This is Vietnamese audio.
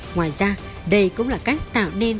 ngoài ra đây cũng là cách tạo nên